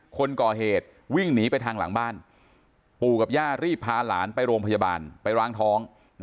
คนก่อเหตุวิ่งหนีไปทางหลังบ้านปู่กับย่ารีบพาหลานไปโรงพยาบาลไปล้างท้อง